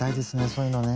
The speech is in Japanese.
そういうのね。